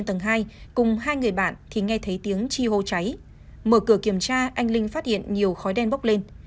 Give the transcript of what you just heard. mở cửa kiểm tra anh linh phát hiện nhiều khói đen bốc lên